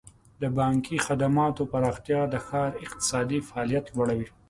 د بانکي خدماتو پراختیا د ښار اقتصادي فعالیت لوړوي.